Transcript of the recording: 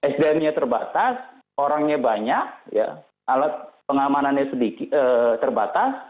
sdm nya terbatas orangnya banyak alat pengamanannya terbatas